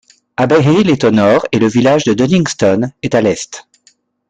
Abbeyhill est au nord et le village de Duddingston est à l'est.